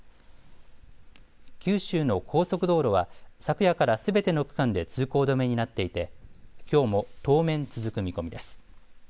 九州の高速道路は昨夜からすべての区間で通行止めになっていてきょうも当面、続く見込みです。